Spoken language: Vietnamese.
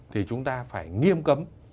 thì chúng ta phải nghiêm cấm